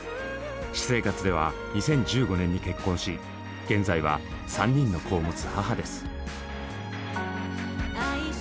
私生活では２０１５年に結婚し現在は３人の子を持つ母です。